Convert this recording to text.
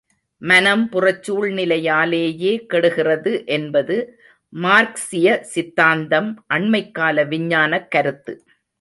மனம் புறச்சூழ்நிலையாலேயே கெடுகிறது என்பது மார்க்சிய சித்தாந்தம் அண்மைக்கால விஞ்ஞானக் கருத்து.